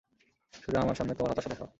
শুধু আমার সামনে তোমার হতাশা দেখাও।